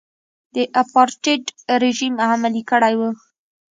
د اپارټایډ رژیم عملي کړی و.